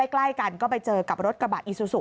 ใกล้กันก็ไปเจอกับรถกระบะอีซูซู